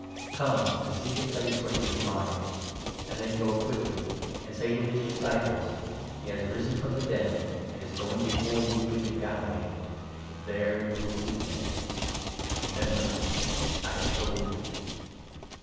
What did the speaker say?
Come, and see the place where he was lying ; and then go quickly and say to his 7 disciples ' He has risen from the dead, and is going before you into Galilee; there you will see him.' Remember, I have told you."